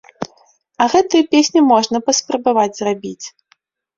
А гэтую песню можна паспрабаваць зрабіць!